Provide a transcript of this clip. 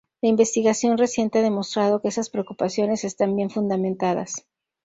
La investigación reciente ha demostrado que esas preocupaciones están bien fundamentadas.